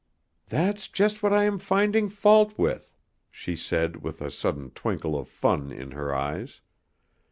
"That's just what I am finding fault with," she said with a sudden twinkle of fun in her eyes.